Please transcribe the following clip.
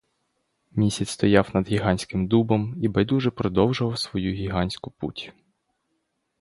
Місяць стояв над гігантським дубом і байдуже продовжував свою гігантську путь.